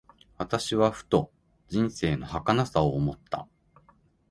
私はふと、人生の儚さを思った。